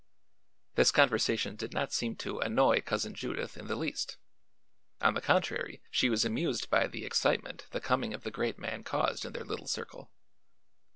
This conversation did not seem to annoy Cousin Judith in the least. On the contrary she was amused by the excitement the coming of the Great Man caused in their little circle.